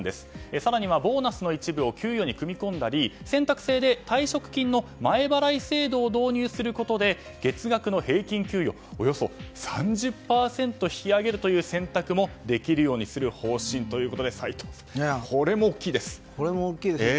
更には、ボーナスの一部を給与に組み込んだり選択制で退職金の前払い制度を導入することで月額の平均給与をおよそ３０％引き上げるという選択もできるようにする方針ということで齋藤さん、これも大きいです。